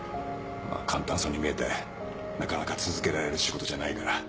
簡単そうに見えてなかなか続けられる仕事じゃないから。